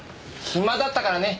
暇だったからね。